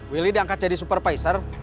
willy diangkat jadi supervisor